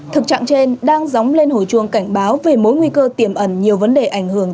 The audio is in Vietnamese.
thực trạng trên đang dóng lên hồi chuông cảnh báo về mối nguy cơ tiềm ẩn nhiều vấn đề ảnh hưởng